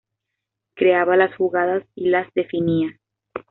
Creaba las jugadas y las definía.